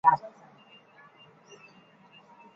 Es depósito legal para Siria.